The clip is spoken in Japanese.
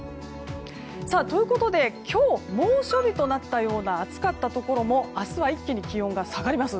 ということで今日、猛暑日となったような暑かったところも明日は一気に気温が下がります。